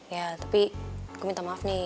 ya tapi aku minta maaf nih